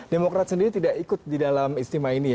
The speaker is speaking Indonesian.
demokrat sendiri tidak ikut di dalam istimewa ini ya